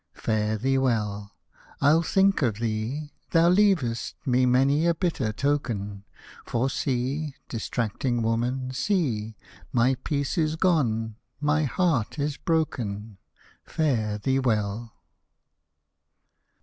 Fare thee well ! Til think of thee, Thou leav'st me many a bitter token ; For see, distracting woman, see, My peace is gone, my heart is broken ! Fare thee well